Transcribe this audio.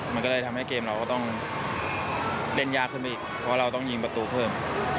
มันก็เลยทำให้เกมเราก็ต้องเล่นยากขึ้นไปอีกเพราะเราต้องยิงประตูเพิ่ม